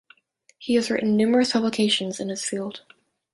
He has written numerous publications in his field.